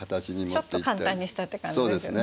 ちょっと簡単にしたって感じですよね。